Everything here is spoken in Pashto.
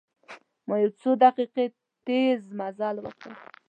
ما یو څو دقیقې تیز مزل وکړ.